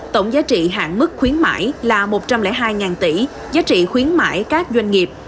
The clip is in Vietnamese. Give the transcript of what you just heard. tổng giá trị hạn mức khuyến mại là một trăm linh hai tỷ giá trị khuyến mãi các doanh nghiệp